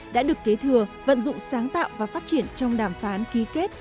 đã được kế thừa vận dụng sáng tạo và phát triển trong đàm phán ký kết